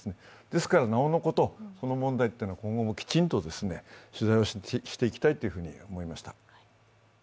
ですから、なおのこと、この問題というのは、今後もきちんと取材をしていきたいと思いました。